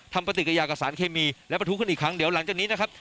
ทำประตึกกับยากสารเคมีแล้วประทุกขึ้นอีกครั้งเดี๋ยวหลังจากนี้นะครับ